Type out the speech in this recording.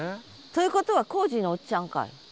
ということは工事のおっちゃんかい？